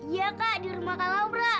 iya kak di rumah kalam bra